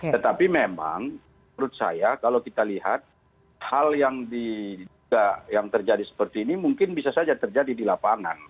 tetapi memang menurut saya kalau kita lihat hal yang terjadi seperti ini mungkin bisa saja terjadi di lapangan